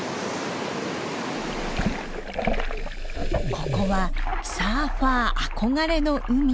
ここはサーファー憧れの海。